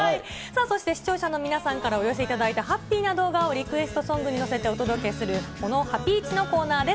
そして視聴者の皆さんからお寄せいただいたハッピーな動画をリクエストソングに乗せてお届けする、このハピイチのコーナーです。